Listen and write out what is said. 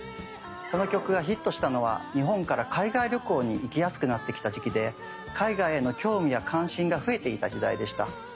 この曲がヒットしたのは日本から海外旅行に行きやすくなってきた時期で海外への興味や関心が増えていた時代でした。